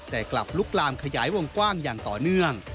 แต่กลับลุกลามขยายวงกว้างอย่างต่อเนื่อง